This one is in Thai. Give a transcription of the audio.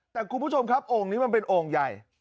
แต่คุณผู้ชมครับโอ่งนี้มันเป็นโอ่งใหญ่